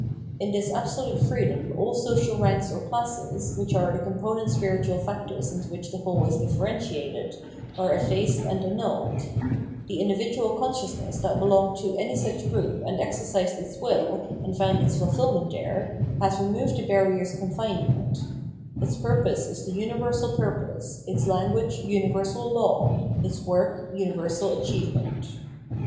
In this absolute freedom aU social ranks or classes, which are the component spiritual factors into which the whole is differentiated, are effaced and annulled ; the individual consciousness that belonged to any such group and exercised its will and found its fulfilment there, has re moved the barriers confining it ; its purpose is the universal purpose, its language universal law, its work universal achievement.